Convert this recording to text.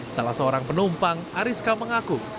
salah seorang penumpang ariska mengaku